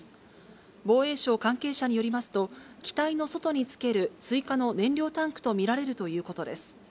防衛省関係者によりますと、機体の外につける追加の燃料タンクと見られるということです。